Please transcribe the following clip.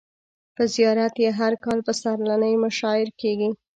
په زیارت یې هر کال پسرلنۍ مشاعر کیږي.